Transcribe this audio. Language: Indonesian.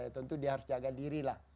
tentu dia harus jaga diri lah